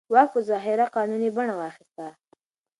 واک په ظاهره قانوني بڼه واخیسته.